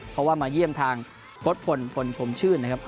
เพราะว่ามาเยี่ยมทางพลพลชมชื่นนะครับ